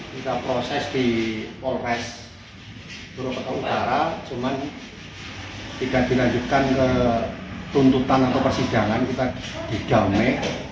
kita proses di polres purwokerto utara cuman tidak dilanjutkan ke tuntutan atau persidangan kita di damai